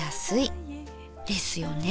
ですよね？